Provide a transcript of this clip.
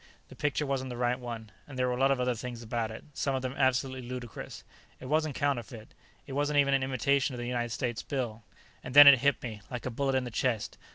The picture wasn't the right one. And there were a lot of other things about it, some of them absolutely ludicrous. It wasn't counterfeit it wasn't even an imitation of a United States bill. And then it hit me, like a bullet in the chest.